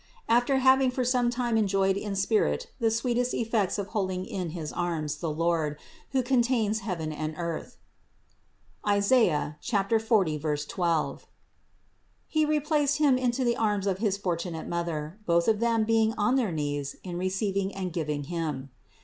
After having for some time enjoyed in spirit the sweetest ef fects of holding in his arms the Lord, who contains heaven and earth (Is. 40, 12), He replaced Him into the arms of his fortunate Mother, both of them being on 426 CITY OF GOD their knees in receiving and giving Him.